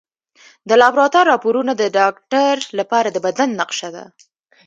د لابراتوار راپورونه د ډاکټر لپاره د بدن نقشه ده.